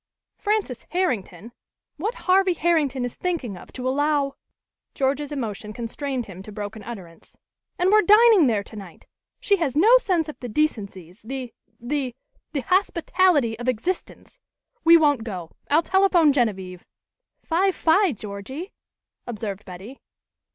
"Frances Herrington! What Harvey Herrington is thinking of to allow " George's emotion constrained him to broken utterance. "And we're dining there tonight! She has no sense of the decencies the the the hospitality of existence. We won't go I'll telephone Genevieve " "Fie, fie Georgie!" observed Betty.